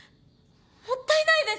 もったいないです。